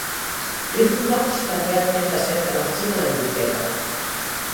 Rhythmbox també admet la cerca de música a la biblioteca.